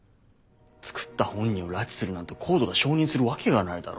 作った本人を拉致するなんてＣＯＤＥが承認するわけがないだろう。